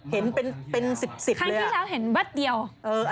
เห็นเป็น๑๐เลยอะ